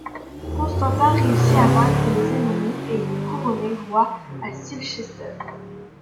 Constantin réussit à vaincre les ennemis et il est couronné roi à Silchester.